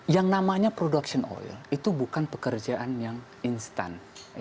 yang namanya production oil itu bukan pekerjaan yang instan